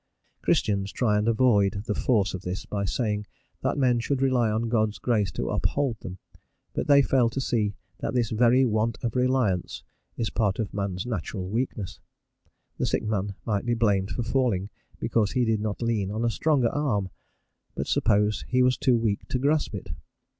Christians try and avoid the force of this by saying that men should rely on God's grace to uphold them, but they fail to see that this very want of reliance is part of man's natural weakness. The sick man might be blamed for falling because he did not lean on a stronger arm, but suppose he was too weak to grasp it?